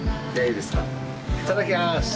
いただきます。